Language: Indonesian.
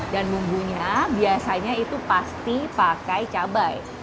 dan bumbunya biasanya itu pasti pakai cabai